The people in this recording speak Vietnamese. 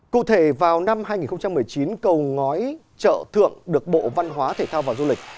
cụ thể vào năm hai nghìn một mươi chín cầu ngói chợ thượng được bộ văn hóa thể thao và du lịch